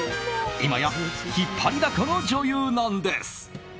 今や引っ張りだこの女優なんです。